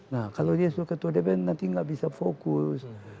nah kalau dia sebagai ketua dpr nanti nggak bisa fokus